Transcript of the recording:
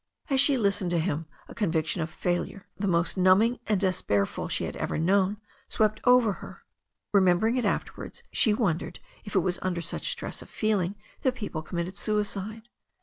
As she listened to him a conviction of failure, the most numbing and despairful she had ever known, swept over her. Remembering it afterwards, she wondered if it was under such stress of feeling that people committed suicide.